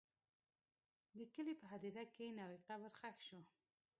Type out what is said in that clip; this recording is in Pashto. د کلي په هدیره کې نوی قبر ښخ شو.